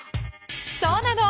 そうなの！